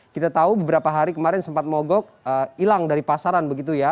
kita tahu beberapa hari kemarin sempat mogok hilang dari pasaran begitu ya